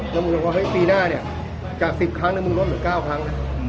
แล้วมึงบอกว่าเฮ้ยปีหน้าเนี่ยจาก๑๐ครั้งมึงลดเหลือ๙ครั้งนะ